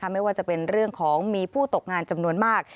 ไม่ว่าจะเป็นเรื่องของมีผู้ตกงานจำนวนมาก